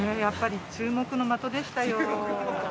やっぱり注目の的でしたよ。